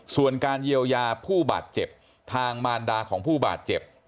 ส่วนการเยียวยาผู้บาดเจ็บทางมารดาของผู้บาดเจ็บ